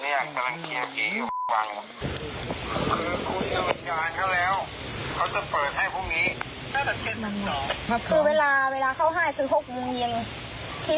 เพื่อถังกิจเป็นไทย